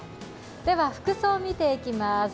服装、見ていきます。